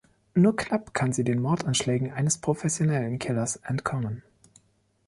Nur knapp kann sie den Mordanschlägen eines professionellen Killers entkommen.